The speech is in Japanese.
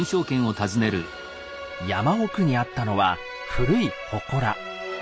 山奥にあったのは古い祠。